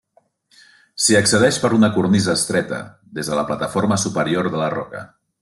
S'hi accedeix per una cornisa estreta des de la plataforma superior de la roca.